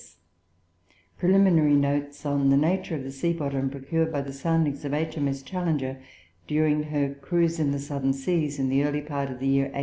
[Footnote 8: "Preliminary Notes on the Nature of the Sea bottom procured by the soundings of H.M.S. Challenger during her cruise in the Southern Seas, in the early part of the year 1874."